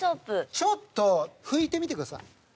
ちょっと拭いてみてください。